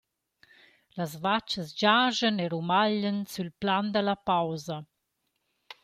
Las vachas giaschan e rumaglian sül Plan da la pausa.